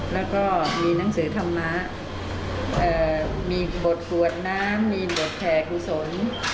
แล้วก็มีหนังสือธรรมะมีบทสวดน้ำมีบทแผ่กุศล